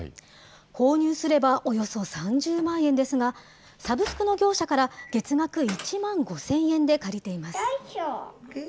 購入すればおよそ３０万円ですが、サブスクの業者から月額１万５０００円で借りています。